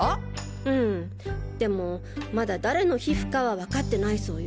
うんでもまだ誰の皮膚かはわかってないそうよ。